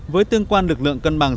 với tương quan lực lượng cân bằng